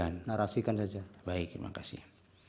narasikan saja baik terima kasih